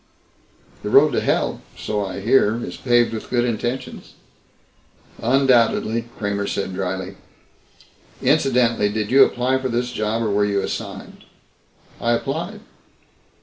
"The road to hell, so I hear, is paved with good intentions." "Undoubtedly," Kramer said dryly. "Incidentally, did you apply for this job or were you assigned?" "I applied."